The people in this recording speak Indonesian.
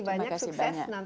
terima kasih banyak